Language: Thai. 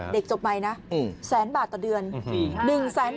เด็กจบใหม่นะ๑๐๐๐๐๐บาทต่อเดือน